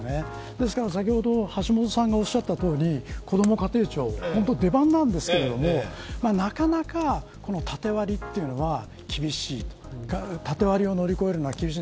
ですから、先ほど橋下さんがおっしゃったとおりこども家庭庁は本当に出番なんですけどなかなか縦割りを乗り越えるのは厳しい。